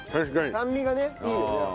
酸味がねいいよね。